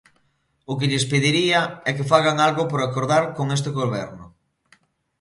O que lles pediría é que fagan algo por acordar con este goberno.